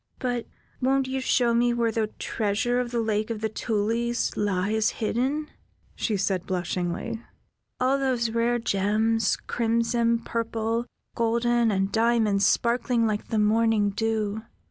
"But won't you show me where the treasure of the Lake of the Tulies lies hidden?" she said, blushingly. "All those rare gems, crimson, purple, golden, and diamonds sparkling like the morning dew.